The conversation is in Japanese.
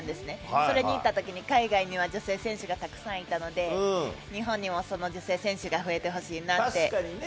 それに行った時に海外には女性選手がたくさんいたので、日本にも増えてほしいなって。